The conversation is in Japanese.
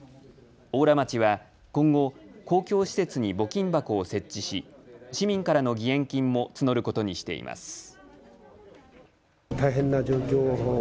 邑楽町は今後、公共施設に募金箱を設置し、市民からの義援金も募ることにしています。